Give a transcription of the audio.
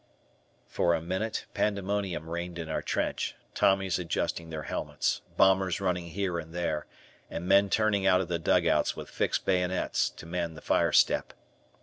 For a minute, pandemonium reigned in our trench, Tommies adjusting their helmets, bombers running here and there, and men turning out of the dugouts with fixed bayonets, to man the fire step.